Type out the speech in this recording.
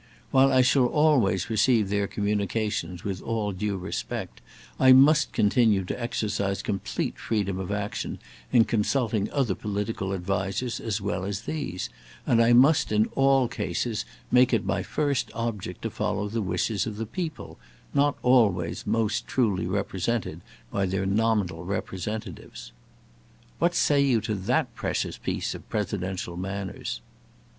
While I shall always receive their communications with all due respect, I must continue to exercise complete freedom of action in consulting other political advisers as well as these, and I must in all cases make it my first object to follow the wishes of the people, not always most truly represented by their nominal representatives.' What say you to that precious piece of presidential manners?"